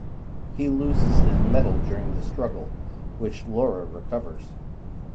He loses his medal during the struggle, which Laura recovers.